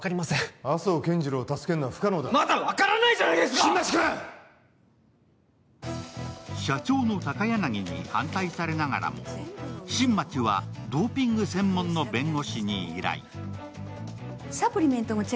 しかし社長の高柳に反対されながらも、新町はドーピング専門の弁護士に依頼。